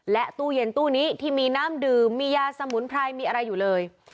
ตู้เย็นตู้นี้ที่มีน้ำดื่มมียาสมุนไพรมีอะไรอยู่เลย